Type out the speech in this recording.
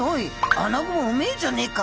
アナゴもうめえじゃねえか！